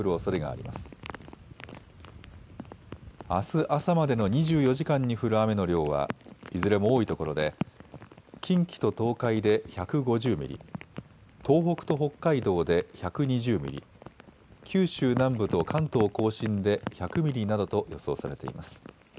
あす朝までの２４時間に降る雨の量はいずれも多いところで近畿と東海で１５０ミリ、東北と北海道で１２０ミリ、九州南部と関東甲信で１００ミリなどと予想されています。